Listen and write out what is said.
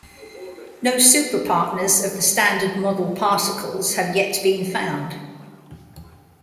No superpartners of the Standard Model particles have yet been found.